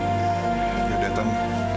tania yang malah datang